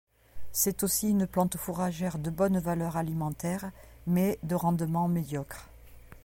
C'est aussi une plante fourragère de bonne valeur alimentaire mais de rendement médiocre.